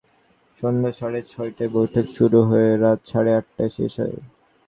সন্ধ্যা সাড়ে ছয়টায় বৈঠক শুরু হয়ে রাত সাড়ে আটটায় শেষ হয়।